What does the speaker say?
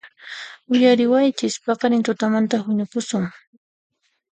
¡Uyariwaychis! ¡Paqarin tutamantan huñukusun!